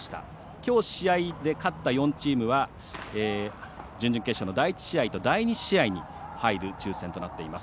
きょう試合で勝った４チームは準々決勝の第１試合と第２試合に入る抽せんとなっています。